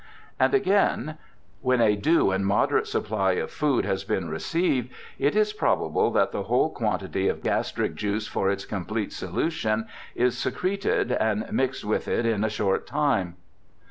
And again :' When a due and moderate supply of food has been received it is probable that the whole quantity of gastric juice for its complete solution is secreted and mixed with it in a short time.'